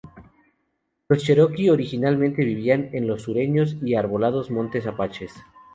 Los cheroqui originalmente vivían en los sureños y arbolados Montes Apalaches.